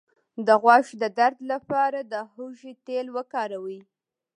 د غوږ د درد لپاره د هوږې تېل وکاروئ